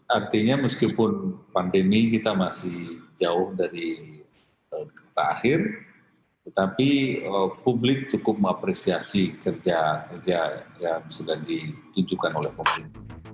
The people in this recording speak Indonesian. artinya meskipun pandemi kita masih jauh dari terakhir tetapi publik cukup mengapresiasi kerja kerja yang sudah ditunjukkan oleh pemerintah